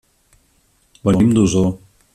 Venim d'Osor.